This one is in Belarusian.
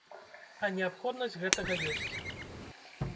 А неабходнасць гэтага ёсць!